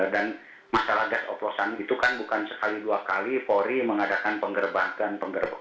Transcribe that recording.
dan masalah gas oklosan itu bukan sekali dua kali fori mengadakan penggerbakan penggerbakan